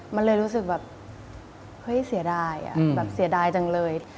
มันเลยรู้สึกแบบเฮ้ยเสียดายแบบเสียดายจังเลย